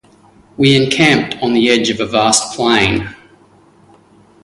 We encamped on the edge of a vast plain.